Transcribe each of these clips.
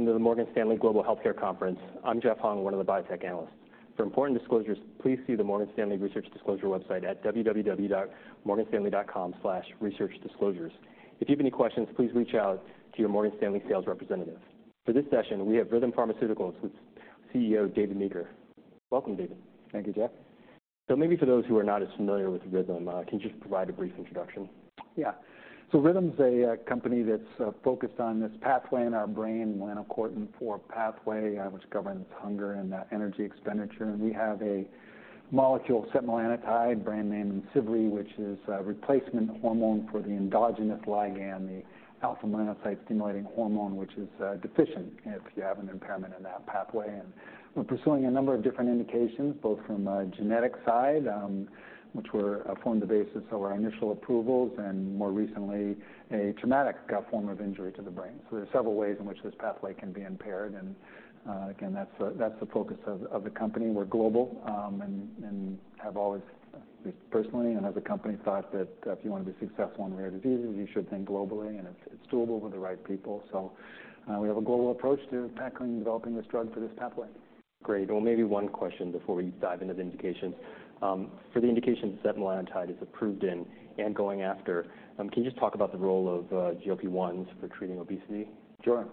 Welcome to the Morgan Stanley Global Healthcare Conference. I'm Jeff Hung, one of the biotech analysts. For important disclosures, please see the Morgan Stanley Research Disclosure website at www.morganstanley.com/researchdisclosures. If you have any questions, please reach out to your Morgan Stanley sales representative. For this session, we have Rhythm Pharmaceuticals with CEO, David Meeker. Welcome, David. Thank you, Jeff. So maybe for those who are not as familiar with Rhythm, can you just provide a brief introduction? Yeah. Rhythm's a company that's focused on this pathway in our brain, melanocortin-4 pathway, which governs hunger and energy expenditure. We have a molecule, setmelanotide, brand name IMCIVREE, which is a replacement hormone for the endogenous ligand, the α-melanocyte-stimulating hormone, which is deficient if you have an impairment in that pathway. We're pursuing a number of different indications, both from a genetic side, which were formed the basis of our initial approvals, and more recently, a traumatic form of injury to the brain. So there are several ways in which this pathway can be impaired. Again, that's the focus of the company. We're global, and have always, personally and as a company, thought that if you want to be successful in rare diseases, you should think globally, and it's doable with the right people. So, we have a global approach to tackling and developing this drug for this pathway. Great. Well, maybe one question before we dive into the indications. For the indications setmelanotide is approved in and going after, can you just talk about the role of GLP-1 for treating obesity? Sure.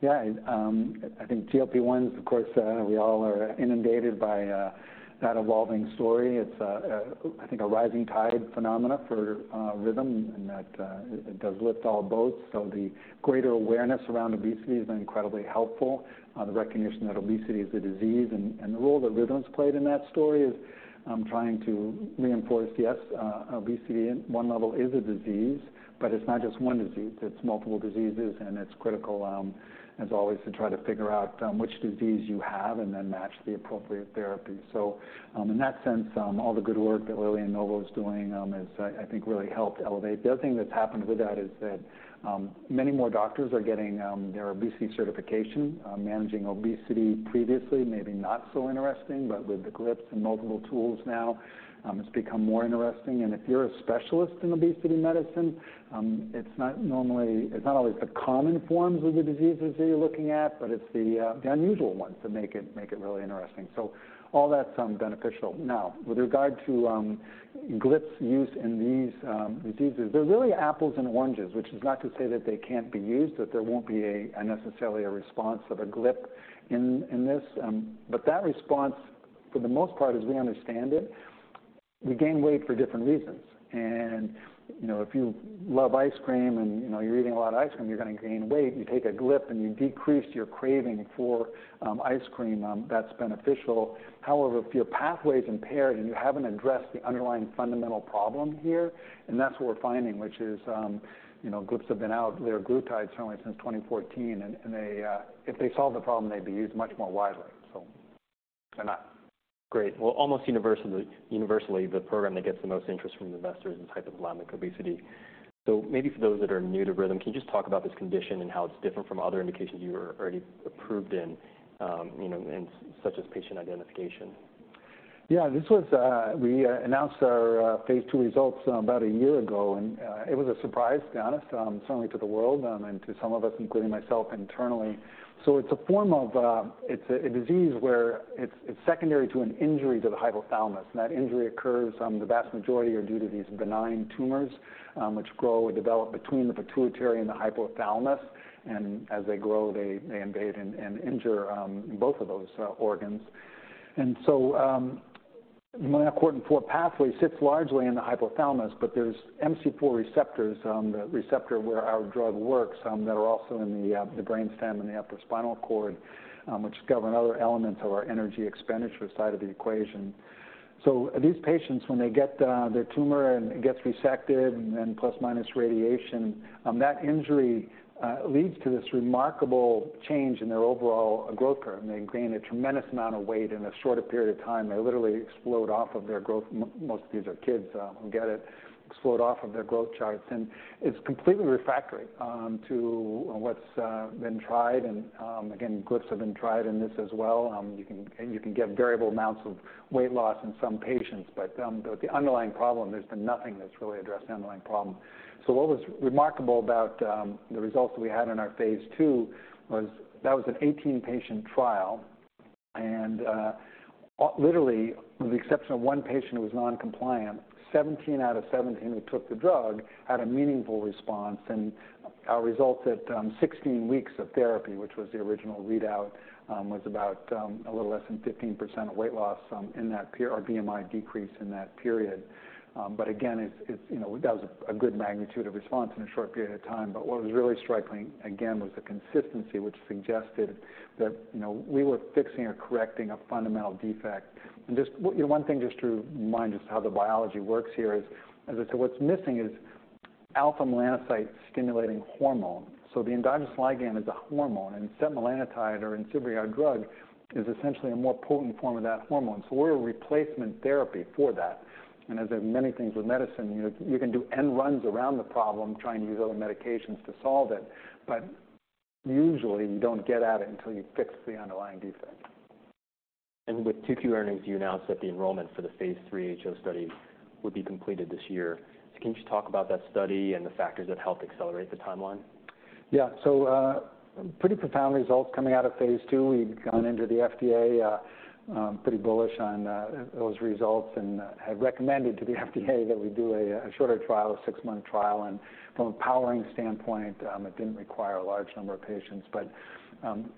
Yeah, I think GLP-1, of course, we all are inundated by that evolving story. It's a rising tide phenomena for Rhythm, and that it does lift all boats. So the greater awareness around obesity has been incredibly helpful. The recognition that obesity is a disease, and the role that Rhythm's played in that story is trying to reinforce, yes, obesity in one level is a disease, but it's not just one disease. It's multiple diseases, and it's critical, as always, to try to figure out which disease you have and then match the appropriate therapy. So, in that sense, all the good work that Lilly and Novo is doing has, I think really helped elevate. The other thing that's happened with that is that many more doctors are getting their obesity certification. Managing obesity previously, maybe not so interesting, but with the GLPs and multiple tools now, it's become more interesting. And if you're a specialist in obesity medicine, it's not always the common forms of the diseases that you're looking at, but it's the unusual ones that make it really interesting. So all that's beneficial. Now, with regard to GLPs use in these diseases, they're really apples and oranges, which is not to say that they can't be used, that there won't be necessarily a response of a GLP in this, but that response, for the most part, as we understand it, we gain weight for different reasons. You know, if you love ice cream and, you know, you're eating a lot of ice cream, you're gonna gain weight. You take a GLP and you decrease your craving for ice cream, that's beneficial. However, if your pathway is impaired and you haven't addressed the underlying fundamental problem here, and that's what we're finding, which is, you know, GLPs have been out there, GLP-1 certainly since 2014, and they, if they solve the problem, they'd be used much more widely, so they're not. Great. Well, almost universally, universally, the program that gets the most interest from investors is Hypothalamic Obesity. So maybe for those that are new to Rhythm, can you just talk about this condition and how it's different from other indications you were already approved in, you know, and such as patient identification? Yeah, this was. We announced our phase 2 results about a year ago, and it was a surprise, to be honest, certainly to the world, and to some of us, including myself, internally. So it's a form of. It's a disease where it's secondary to an injury to the hypothalamus, and that injury occurs. The vast majority are due to these benign tumors, which grow and develop between the pituitary and the hypothalamus. And as they grow, they invade and injure both of those organs. And so, melanocortin-4 pathway sits largely in the hypothalamus, but there's MC4 receptors, the receptor where our drug works, that are also in the brainstem and the upper spinal cord, which govern other elements of our energy expenditure side of the equation. So these patients, when they get their tumor and it gets resected and then plus/minus radiation, that injury leads to this remarkable change in their overall growth curve, and they gain a tremendous amount of weight in a shorter period of time. They literally explode off of their growth. Most of these are kids who get it, explode off of their growth charts, and it's completely refractory to what's been tried. And again, GLPs have been tried in this as well. You can get variable amounts of weight loss in some patients, but the underlying problem, there's been nothing that's really addressed the underlying problem. So what was remarkable about the results that we had in our phase 2 was that was an 18-patient trial, and literally, with the exception of one patient who was non-compliant, 17 out of 17 who took the drug had a meaningful response. And our results at 16 weeks of therapy, which was the original readout, was about a little less than 15% of weight loss or BMI decrease in that period. But again, it's you know, that was a good magnitude of response in a short period of time. But what was really striking, again, was the consistency, which suggested that you know, we were fixing or correcting a fundamental defect. And just one thing, just to remind us how the biology works here is, as I said, what's missing is α-melanocyte-stimulating hormone. So the endogenous ligand is a hormone, and setmelanotide or IMCIVREE, our drug, is essentially a more potent form of that hormone, so we're a replacement therapy for that. As in many things with medicine, you can do end runs around the problem, trying to use other medications to solve it, but usually, you don't get at it until you fix the underlying defect. With 2Q earnings, you announced that the enrollment for the Phase 3 HO study would be completed this year. So can you just talk about that study and the factors that helped accelerate the timeline? Yeah. So, pretty profound results coming out of phase 2. We'd gone into the FDA, pretty bullish on those results, and had recommended to the FDA that we do a shorter trial, a 6-month trial. And from a powering standpoint, it didn't require a large number of patients, but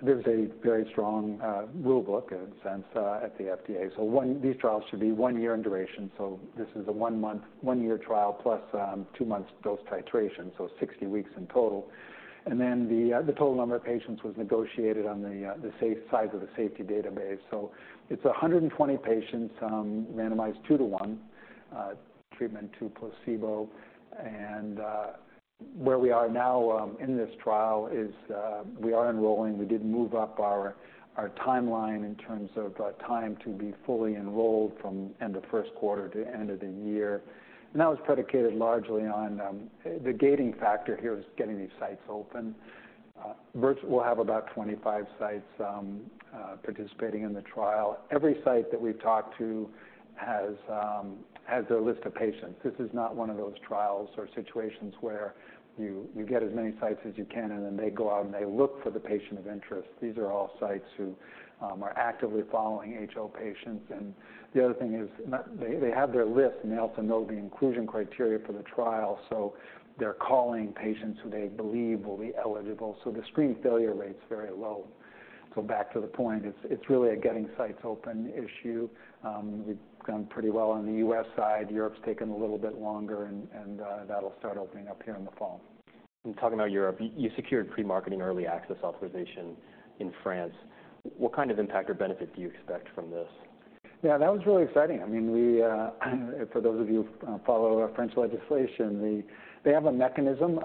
there's a very strong rulebook, in a sense, at the FDA. So these trials should be 1 year in duration, so this is a 1-year trial, plus 2 months dose titration, so 60 weeks in total. And then the total number of patients was negotiated on the safe size of the safety database. So it's 120 patients, randomized 2 to 1, treatment to placebo. And where we are now in this trial is we are enrolling. We did move up our timeline in terms of time to be fully enrolled from end of first quarter to end of the year. That was predicated largely on. The gating factor here is getting these sites open. We'll have about 25 sites participating in the trial. Every site that we've talked to has a list of patients. This is not one of those trials or situations where you get as many sites as you can, and then they go out, and they look for the patient of interest. These are all sites who are actively following HO patients. The other thing is they have their list, and they also know the inclusion criteria for the trial, so they're calling patients who they believe will be eligible. The screen failure rate's very low. So back to the point, it's really a getting sites open issue. We've gone pretty well on the U.S. side. Europe's taken a little bit longer, and that'll start opening up here in the fall. Talking about Europe, you secured pre-marketing early access authorization in France. What kind of impact or benefit do you expect from this? Yeah, that was really exciting. I mean, we for those of you who follow French legislation, they have a mechanism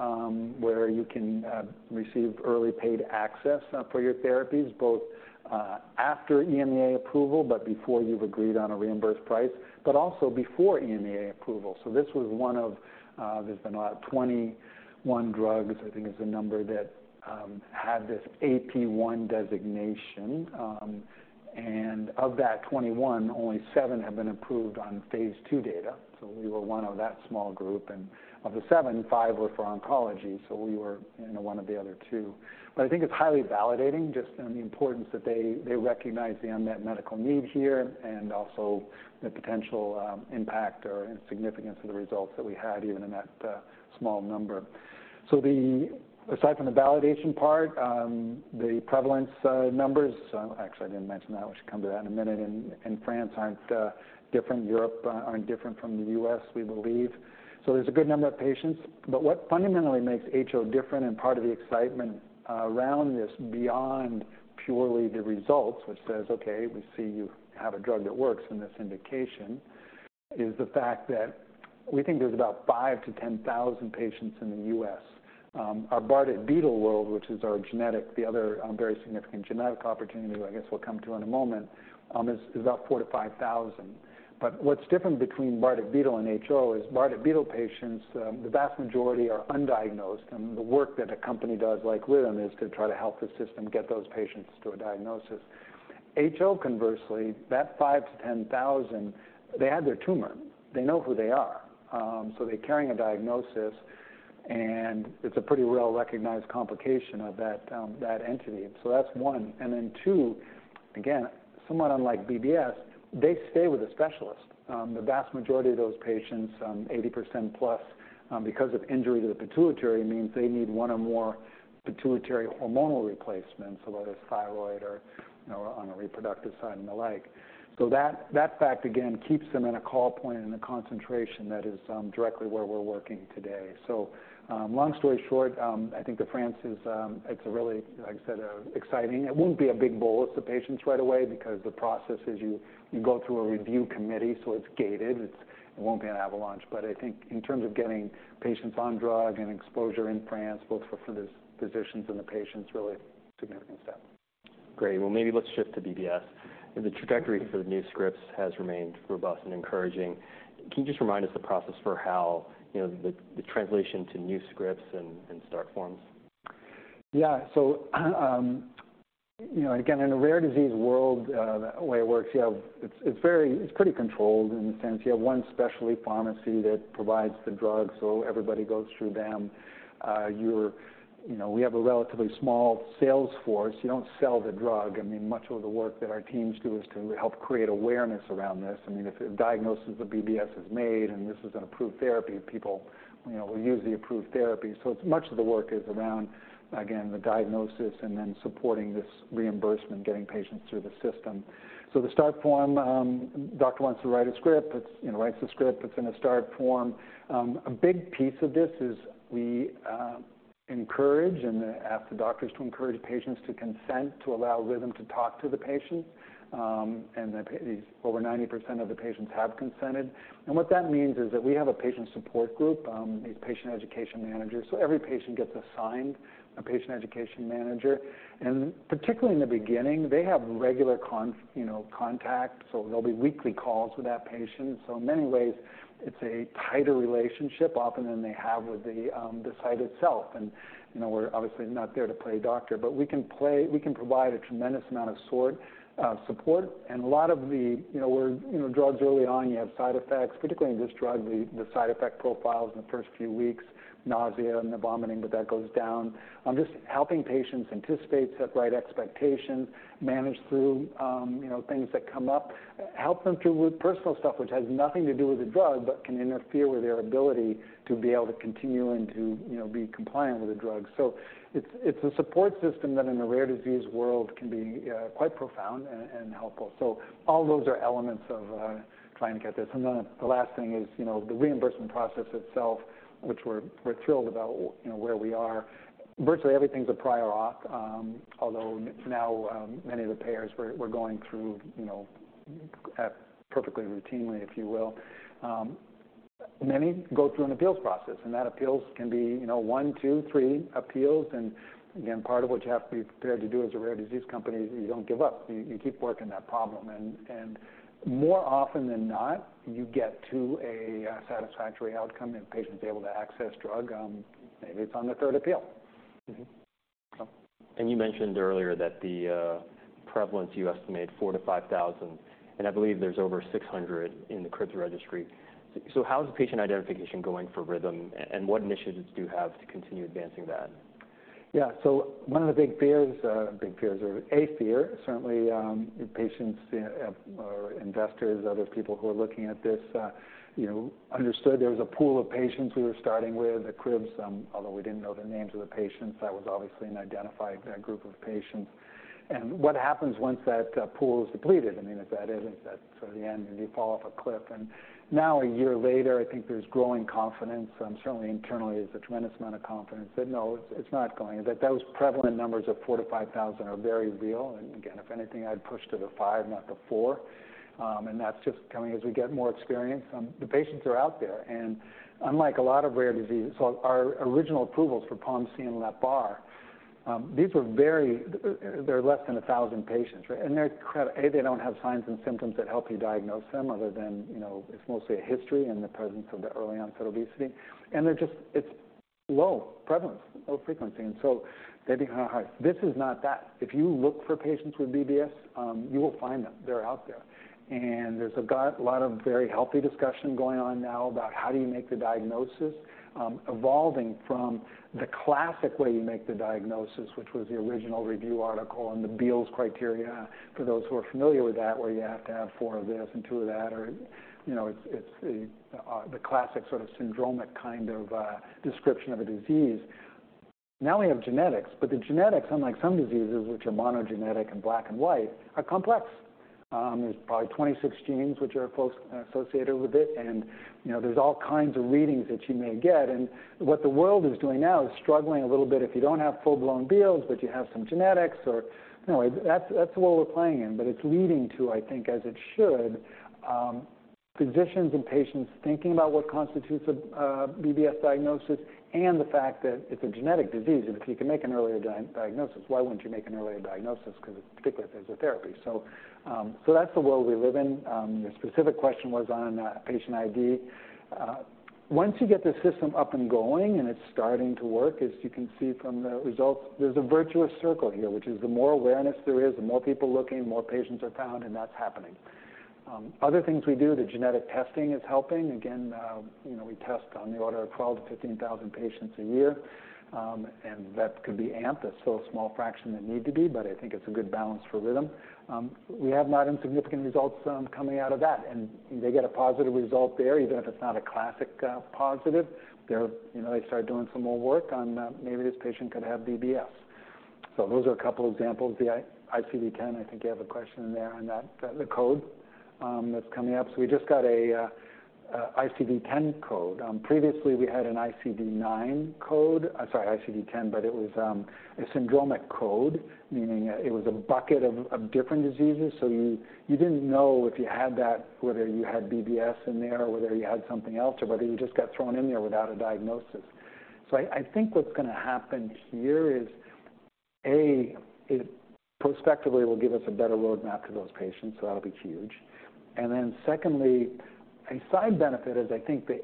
where you can receive early paid access for your therapies, both after EMA approval, but before you've agreed on a reimbursed price, but also before EMA approval. So this was one of, there's been about 21 drugs, I think, is the number that had this AP1 designation. And of that 21, only 7 have been approved on phase 2 data, so we were one of that small group. And of the 7, 5 were for oncology, so we were, you know, one of the other two. But I think it's highly validating, just, you know, the importance that they, they recognize the unmet medical need here and also the potential, impact or significance of the results that we had, even in that, small number. So aside from the validation part, the prevalence, numbers. Actually, I didn't mention that. We should come to that in a minute, in France, aren't different. Europe, aren't different from the US, we believe. So there's a good number of patients. But what fundamentally makes HO different and part of the excitement, around this, beyond purely the results, which says, "Okay, we see you have a drug that works in this indication," is the fact that we think there's about 5-10,000 patients in the U.S. Our Bardet-Biedl world, which is our genetic, the other, very significant genetic opportunity, which I guess we'll come to in a moment, is about 4,000-5,000. But what's different between Bardet-Biedl and HO is Bardet-Biedl patients, the vast majority are undiagnosed, and the work that a company does, like Rhythm, is to try to help the system get those patients to a diagnosis. HO, conversely, that 5,000-10,000, they have their tumor. They know who they are. So they're carrying a diagnosis, and it's a pretty well-recognized complication of that, that entity. So that's one. And then two, again, somewhat unlike BBS, they stay with a specialist. The vast majority of those patients, 80% plus, because of injury to the pituitary, means they need one or more pituitary hormonal replacements, whether it's thyroid or, you know, on the reproductive side and the like. So that, that fact, again, keeps them in a call point and a concentration that is, directly where we're working today. So, long story short, I think that France is, it's a really, like I said, exciting. It won't be a big bolus of patients right away because the process is you, you go through a review committee, so it's gated. It's, it won't be an avalanche. But I think in terms of getting patients on drug and exposure in France, both for, for the physicians and the patients, really a significant step. Great. Well, maybe let's shift to BBS. The trajectory for the new scripts has remained robust and encouraging. Can you just remind us the process for how, you know, the translation to new scripts and start forms? Yeah. So, you know, again, in a rare disease world, the way it works, you have, it's, it's very, it's pretty controlled in the sense you have one specialty pharmacy that provides the drugs, so everybody goes through them. You're, you know, we have a relatively small sales force. You don't sell the drug. I mean, much of the work that our teams do is to help create awareness around this. I mean, if a diagnosis of BBS is made, and this is an approved therapy, people, you know, will use the approved therapy. So it's, much of the work is around, again, the diagnosis and then supporting this reimbursement, getting patients through the system. So the start form, doctor wants to write a script, it's, you know, writes a script. It's in a start form. A big piece of this is we encourage and ask the doctors to encourage patients to consent to allow Rhythm to talk to the patient. And over 90% of the patients have consented. And what that means is that we have a patient support group, a Patient Education Manager, so every patient gets assigned a Patient Education Manager. And particularly in the beginning, they have regular, you know, contact, so there'll be weekly calls with that patient. So in many ways, it's a tighter relationship often than they have with the site itself. And, you know, we're obviously not there to play doctor, but we can play, we can provide a tremendous amount of sort of support. And a lot of the, you know, where you know drugs early on, you have side effects, particularly in this drug, the side effect profiles in the first few weeks, nausea and the vomiting, but that goes down. Just helping patients anticipate, set the right expectations, manage through, you know, things that come up, help them through personal stuff, which has nothing to do with the drug, but can interfere with their ability to be able to continue and to, you know, be compliant with the drug. So it's a support system that, in the rare disease world, can be quite profound and helpful. So all those are elements of trying to get this. Then the last thing is, you know, the reimbursement process itself, which we're thrilled about, you know, where we are. Virtually everything's a prior auth, although now many of the payers we're going through, you know, perfectly routinely, if you will. Many go through an appeals process, and that appeals can be, you know, 1, 2, 3 appeals. And again, part of what you have to be prepared to do as a rare disease company is you don't give up. You keep working that problem. And more often than not, you get to a satisfactory outcome, and patients are able to access drug. Maybe it's on the third appeal. You mentioned earlier that the prevalence, you estimate 4,000-5,000, and I believe there's over 600 in the CRIBBS registry. So how is the patient identification going for Rhythm, and what initiatives do you have to continue advancing that? So one of the big fears, or a fear, certainly, patients or investors, other people who are looking at this, you know, understood there was a pool of patients we were starting with, the CRIBBS. Although we didn't know the names of the patients, that was obviously an identified group of patients. And what happens once that pool is depleted? I mean, if that is, that's sort of the end, and you fall off a cliff. Now, a year later, I think there's growing confidence. Certainly internally, there's a tremendous amount of confidence that, no, it's not going. That those prevalent numbers of 4000-5000 are very real, and again, if anything, I'd push to the five, not the four. And that's just coming as we get more experience. The patients are out there, and unlike a lot of rare diseases, so our original approvals for POMC and LEPR, um, these were very— They're less than 1,000 patients, right? And they're kind of, they don't have signs and symptoms that help you diagnose them, other than, you know, it's mostly a history and the presence of the early-onset obesity. And they're just—it's low prevalence, low frequency, and so they'd be high. This is not that. If you look for patients with BBS, you will find them. They're out there. And there's a lot of very healthy discussion going on now about how do you make the diagnosis, evolving from the classic way you make the diagnosis, which was the original review article and the Beales criteria, for those who are familiar with that, where you have to have four of this and two of that, or, you know, it's the classic sort of syndromic kind of description of a disease. Now we have genetics, but the genetics, unlike some diseases, which are monogenetic and black and white, are complex. There's probably 26 genes which are close associated with it, and, you know, there's all kinds of readings that you may get. And what the world is doing now is struggling a little bit. If you don't have full-blown Beales, but you have some genetics or, you know, that's, that's the world we're playing in. But it's leading to, I think, as it should, physicians and patients thinking about what constitutes a, a BBS diagnosis and the fact that it's a genetic disease. And if you can make an earlier diagnosis, why wouldn't you make an earlier diagnosis? Because particularly, if there's a therapy. So, so that's the world we live in. The specific question was on patient ID. Once you get the system up and going and it's starting to work, as you can see from the results, there's a virtuous circle here, which is the more awareness there is, the more people looking, more patients are found, and that's happening. Other things we do, the genetic testing is helping. Again, you know, we test on the order of 12,000-15,000 patients a year. And that could be amped. That's still a small fraction that need to be, but I think it's a good balance for Rhythm. We have not insignificant results coming out of that, and they get a positive result there, even if it's not a classic positive. They're, you know, they start doing some more work on maybe this patient could have BBS. So those are a couple examples. The ICD-10, I think you have a question in there on that, the code, that's coming up. So we just got a ICD-10 code. Previously, we had an ICD-9 code, sorry, ICD-10, but it was a syndromic code, meaning it was a bucket of different diseases. So you didn't know if you had that, whether you had BBS in there, or whether you had something else, or whether you just got thrown in there without a diagnosis. So I think what's gonna happen here is, A, it prospectively will give us a better roadmap to those patients, so that'll be huge. And then secondly, a side benefit is I think the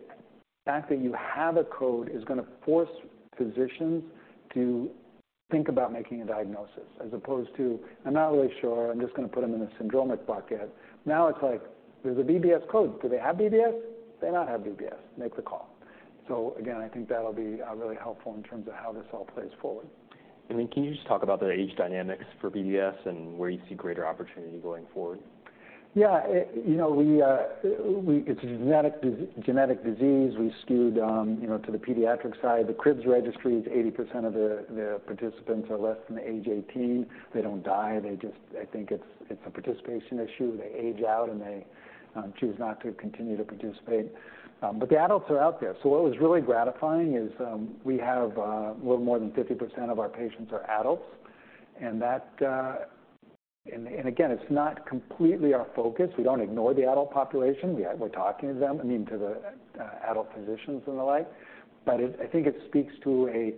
fact that you have a code is gonna force physicians to think about making a diagnosis, as opposed to, "I'm not really sure. I'm just gonna put them in a syndromic bucket." Now it's like: There's a BBS code. Do they have BBS? They not have BBS. Make the call. So again, I think that'll be really helpful in terms of how this all plays forward. And then, can you just talk about the age dynamics for BBS and where you see greater opportunity going forward? Yeah. It, you know, we, it's a genetic disease. We skewed, you know, to the pediatric side. The CRIBBS registry is 80% of the participants are less than age 18. They don't die. They just, I think it's a participation issue. They age out, and they choose not to continue to participate. But the adults are out there. So what was really gratifying is, we have a little more than 50% of our patients are adults, and that, and again, it's not completely our focus. We don't ignore the adult population. We are, we're talking to them, I mean, to the adult physicians and the like. But it, I think it speaks to a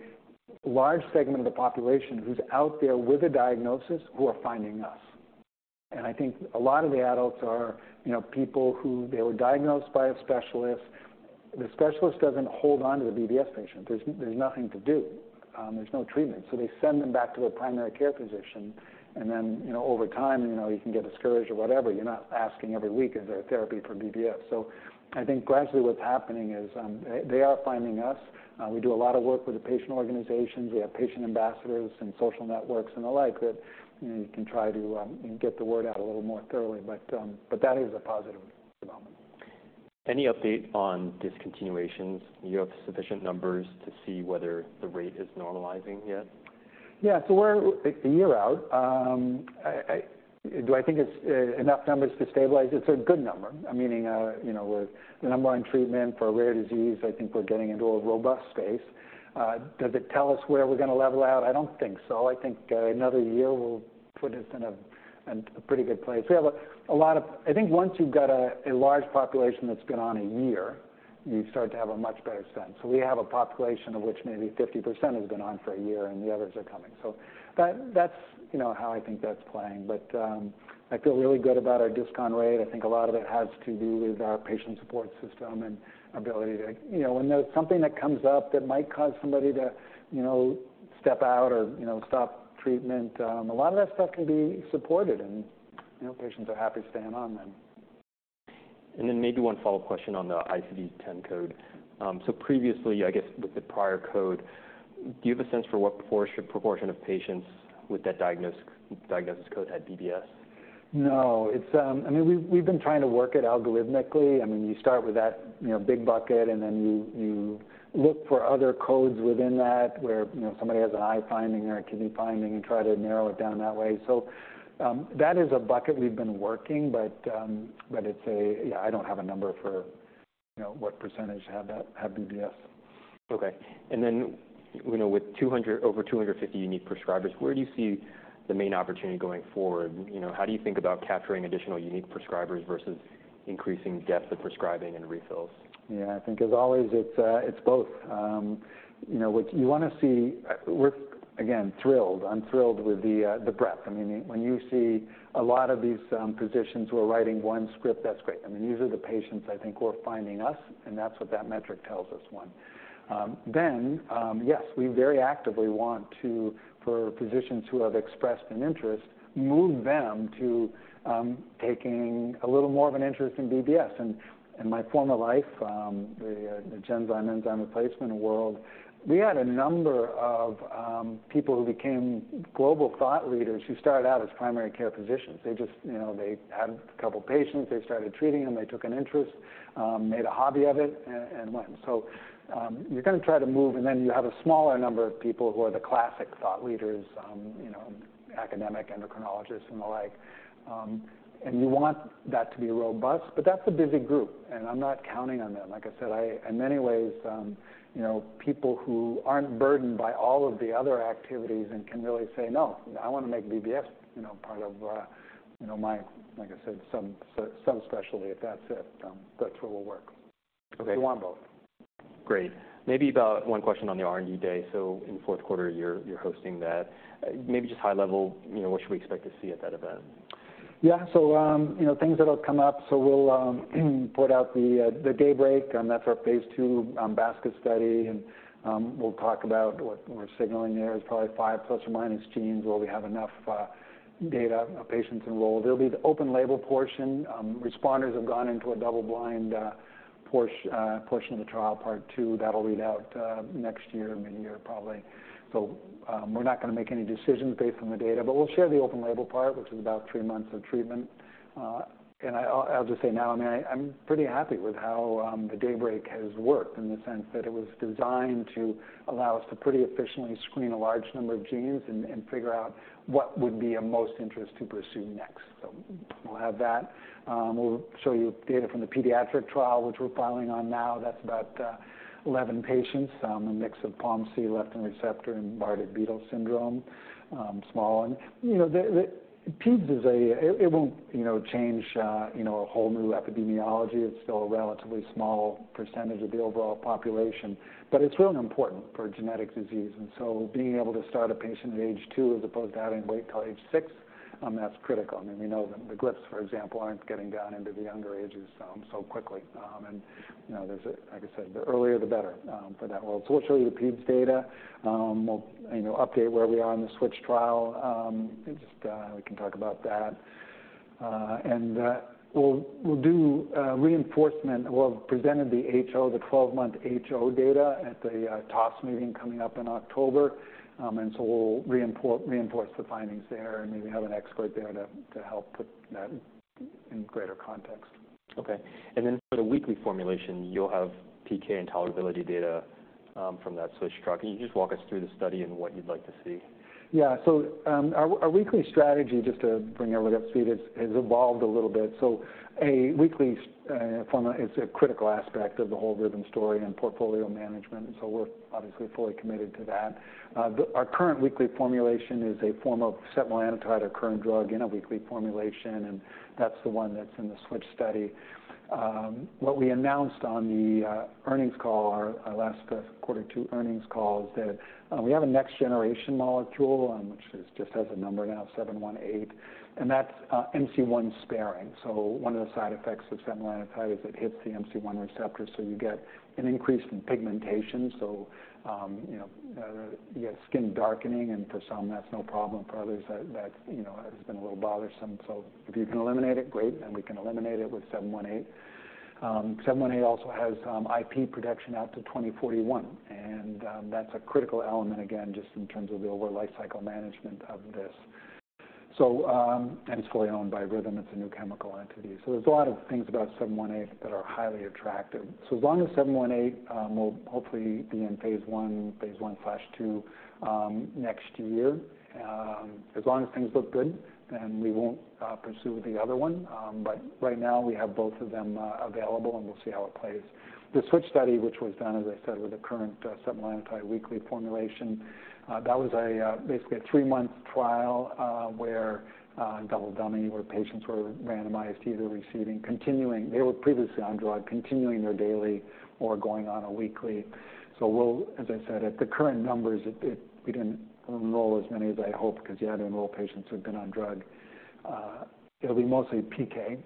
large segment of the population who's out there with a diagnosis, who are finding us. And I think a lot of the adults are, you know, people who, they were diagnosed by a specialist. The specialist doesn't hold on to the BBS patient. There's, there's nothing to do. There's no treatment. So they send them back to their primary care physician, and then, you know, over time, you know, you can get discouraged or whatever. You're not asking every week: Is there a therapy for BBS? So, I think gradually what's happening is, they, they are finding us. We do a lot of work with the patient organizations. We have patient ambassadors and social networks and the like that, you know, can try to, get the word out a little more thoroughly. But, but that is a positive development. Any update on discontinuations? Do you have sufficient numbers to see whether the rate is normalizing yet? Yeah. So we're a year out. Do I think it's enough numbers to stabilize? It's a good number. I mean, you know, with the number one treatment for a rare disease, I think we're getting into a robust space. Does it tell us where we're gonna level out? I don't think so. I think another year will put us in a pretty good place. I think once you've got a large population that's been on a year, you start to have a much better sense. So we have a population of which maybe 50% has been on for a year, and the others are coming. So that's, you know, how I think that's playing. But I feel really good about our discount rate. I think a lot of it has to do with our patient support system and ability to, you know, when there's something that comes up that might cause somebody to, you know, step out or, you know, stop treatment. A lot of that stuff can be supported, and, you know, patients are happy to staying on then. Then maybe one follow-up question on the ICD-10 code. So previously, I guess, with the prior code, do you have a sense for what proportion of patients with that diagnosis code had BBS? No, it's, I mean, we've been trying to work it algorithmically. I mean, you start with that, you know, big bucket, and then you look for other codes within that, where, you know, somebody has an eye finding or a kidney finding and try to narrow it down that way. So, that is a bucket we've been working, but, but it's a— Yeah, I don't have a number for, you know, what percentage have that, have BBS. Okay. And then, you know, with over 250 unique prescribers, where do you see the main opportunity going forward? You know, how do you think about capturing additional unique prescribers versus increasing depth of prescribing and refills? Yeah, I think as always, it's both. You know, what you wanna see—We're, again, thrilled. I'm thrilled with the breadth. I mean, when you see a lot of these physicians who are writing one script, that's great. I mean, these are the patients, I think, who are finding us, and that's what that metric tells us, one. Then, yes, we very actively want to, for physicians who have expressed an interest, move them to taking a little more of an interest in BBS. And, in my former life, the Genzyme enzyme replacement world, we had a number of people who became global thought leaders who started out as primary care physicians. They just, you know, they had a couple of patients, they started treating them, they took an interest, made a hobby of it and went. So, you're gonna try to move, and then you have a smaller number of people who are the classic thought leaders, you know, academic endocrinologists and the like. And you want that to be robust, but that's a busy group, and I'm not counting on them. Like I said, in many ways, you know, people who aren't burdened by all of the other activities and can really say, "No, I wanna make BBS, you know, part of, you know, my," like I said, "some specialty," if that's it, that's where we'll work. Okay. We want both. Great. Maybe about one question on the R&D Day. So in the fourth quarter, you're hosting that. Maybe just high level, you know, what should we expect to see at that event? Yeah. So, you know, things that'll come up, so we'll put out the DAYBREAK, and that's our phase 2 basket study. And we'll talk about what we're signaling there is probably 5 ± genes where we have enough data of patients enrolled. There'll be the open-label portion. Responders have gone into a double-blind portion of the trial, Part 2. That'll read out next year, midyear, probably. So, we're not gonna make any decisions based on the data, but we'll share the open-label part, which is about 3 months of treatment. I'll just say now, I mean, I'm pretty happy with how the DAYBREAK has worked in the sense that it was designed to allow us to pretty efficiently screen a large number of genes and figure out what would be of most interest to pursue next. So we'll have that. We'll show you data from the pediatric trial, which we're filing on now. That's about 11 patients, a mix of POMC, leptin receptor, and Bardet-Biedl syndrome, small. You know, the PEDS is. It won't, you know, change a whole new epidemiology. It's still a relatively small percentage of the overall population, but it's really important for genetic disease. And so being able to start a patient at age 2 as opposed to having to wait till age 6, that's critical. I mean, we know the GLPs, for example, aren't getting down into the younger ages so quickly. And you know, like I said, the earlier, the better for that world. So we'll show you the PEDS data. We'll update where we are on the SWITCH trial. Just, we can talk about that. And we'll do reinforcement. We'll have presented the HO, the 12-month HO data at the TOS Meeting coming up in October. And so we'll reinforce the findings there and maybe have an expert there to help put that in greater context. Okay. And then for the weekly formulation, you'll have PK and tolerability data from that SWITCH trial. Can you just walk us through the study and what you'd like to see? Yeah. So, our weekly strategy, just to bring everybody up to speed, has evolved a little bit. So a weekly formula is a critical aspect of the whole Rhythm story and portfolio management, and so we're obviously fully committed to that. Our current weekly formulation is a form of setmelanotide, our current drug, in a weekly formulation, and that's the one that's in the SWITCH study. What we announced on the earnings call, our last quarter 2 earnings call, is that we have a next-generation molecule, which just has a number now, 718, and that's MC1 sparing. So one of the side effects of setmelanotide is it hits the MC1 receptor, so you get an increase in pigmentation. So, you know, you get skin darkening, and for some, that's no problem. For others, that you know has been a little bothersome. So if you can eliminate it, great, and we can eliminate it with 718. 718 also has IP protection out to 2041, and that's a critical element, again, just in terms of the overall life cycle management of this. So, and it's fully owned by Rhythm. It's a new chemical entity. So there's a lot of things about 718 that are highly attractive. So as long as 718 will hopefully be in phase 1, phase 1/2 next year, as long as things look good, then we won't pursue the other one. But right now, we have both of them available, and we'll see how it plays. The SWITCH study, which was done, as I said, with the current setmelanotide weekly formulation, that was basically a three-month trial, where double-dummy, where patients were randomized, either receiving, continuing—they were previously on drug—continuing their daily or going on a weekly. So we'll—as I said, at the current numbers, it, it—we didn't enroll as many as I hoped because you had to enroll patients who had been on drug. It'll be mostly PK,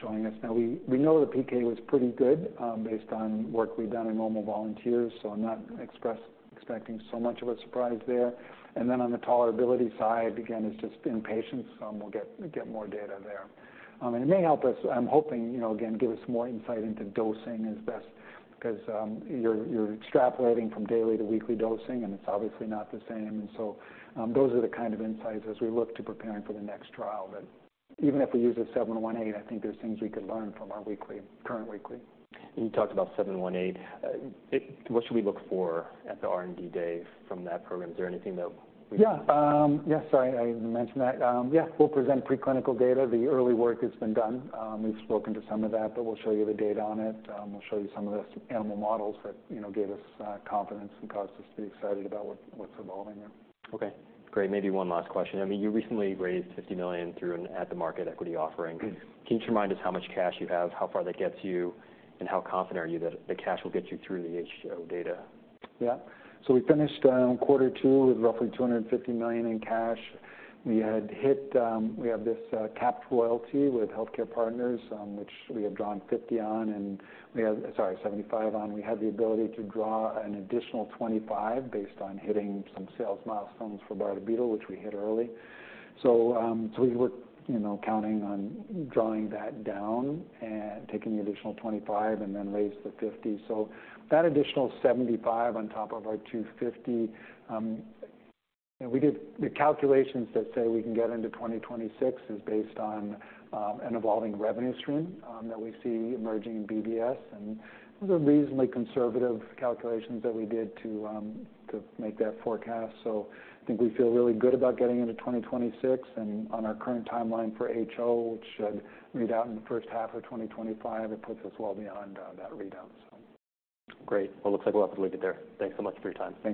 showing us. Now we know the PK was pretty good, based on work we've done in normal volunteers, so I'm not expecting so much of a surprise there. And then on the tolerability side, again, it's just in patients, we'll get more data there. It may help us, I'm hoping, you know, again, give us more insight into dosing as best, 'cause you're extrapolating from daily to weekly dosing, and it's obviously not the same. So, those are the kind of insights as we look to preparing for the next trial, that even if we use a 718, I think there's things we could learn from our weekly, current weekly. You talked about 718. What should we look for at the R&D Day from that program? Is there anything that we. Yeah. Yes, I mentioned that. Yeah, we'll present preclinical data. The early work that's been done, we've spoken to some of that, but we'll show you the data on it. We'll show you some of the animal models that, you know, gave us confidence and caused us to be excited about what's evolving there. Okay, great. Maybe one last question. I mean, you recently raised $50 million through an at-the-market equity offering. Can you just remind us how much cash you have, how far that gets you, and how confident are you that the cash will get you through the HO data? Yeah. So we finished Q2 with roughly $250 million in cash. We had hit. We have this capped royalty with HealthCare Partners, which we have drawn $50 million on, and we have 75 on. We have the ability to draw an additional $25 million based on hitting some sales milestones for Bardet-Biedl, which we hit early. So, so we were, you know, counting on drawing that down and taking the additional $25 million and then raised the $50 million. So that additional $75 million on top of our $250 million, you know, we did the calculations that say we can get into 2026 is based on an evolving revenue stream that we see emerging in BBS. And those are reasonably conservative calculations that we did to make that forecast. I think we feel really good about getting into 2026 and on our current timeline for HO, which should read out in the first half of 2025. It puts us well beyond that readout, so. Great. Well, looks like we'll have to leave it there. Thanks so much for your time. Thanks, Jeff.